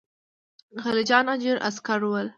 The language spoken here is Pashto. خلجیان اجیر عسکر ول.